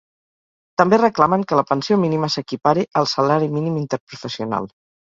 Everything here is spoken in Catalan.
També reclamen que la pensió mínima s’equipare al salari mínim interprofessional.